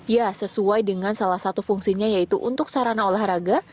ya sesuai dengan salah satu fungsinya yaitu untuk sarana olahraga